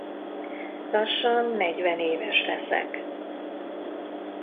Lassan negyvenéves leszek.